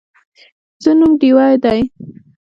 زه نوم ډیوه دی